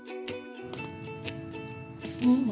うん。